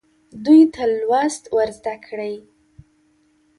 دوی ته لوست ورزده کړئ.